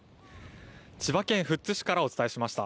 千葉県富津市からお伝えしました。